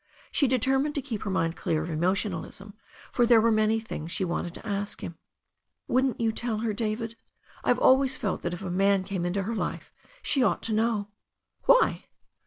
She determined to keep her mind clear of emotionalism, for there were many things she wanted to ask him. "Wouldn't you tell her, David? I have always felt that if a man came into her life she ought to know." "Why?"